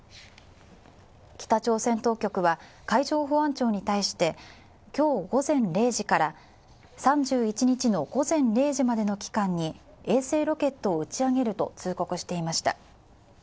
北朝鮮当局は海上保安庁に対して今日午前０時から３１日の午前０時までの期間に衛星ロケットを打ち上げると通告していました